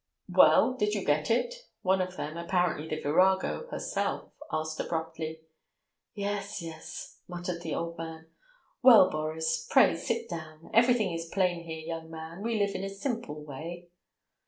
"Well, did you get it?" one of them, apparently the "virago" herself, asked abruptly. "Yes, yes," muttered the old man. "Well, Boris, pray sit down. Everything is plain here, young man ... we live in a simple way."